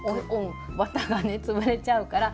綿がね潰れちゃうからまあ。